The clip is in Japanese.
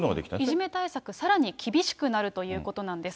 いじめ対策、さらに厳しくなるということなんです。